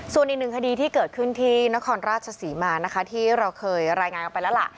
ส่วนอีกหนึ่งคดีที่เกิดขึ้นที่นครราชศรีมานะคะที่เราเคยรายงานกันไปแล้วล่ะ